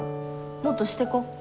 もっとしてこ。